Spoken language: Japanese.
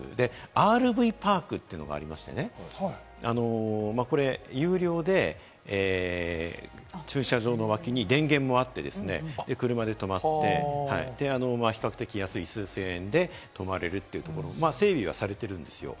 ＲＶパークというのがありましてね、有料で駐車場の脇に電源もあって、車で泊まって、比較的安い、数千円で泊まれるというところも整備はされているんですよ。